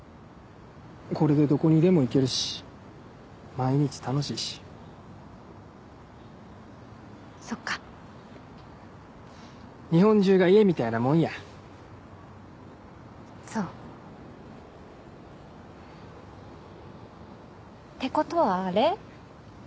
これでどこにでも行けるし毎日楽しいしそっか日本中が家みたいなもんやそうってことはあれ？